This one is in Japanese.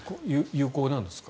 有効なんですか。